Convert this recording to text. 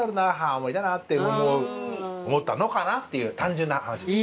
青森だな」って思ったのかなっていう単純な話です。